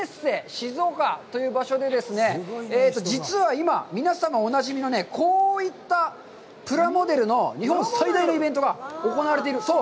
静岡という場所でですね、実は今、皆様おなじみのこういったプラモデルの日本最大のイベントが行われている。